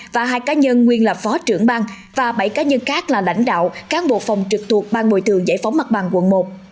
và bảy cá nhân khác là lãnh đạo cán bộ phòng trực thuộc bang bồi thường giải phóng mặt bằng quận một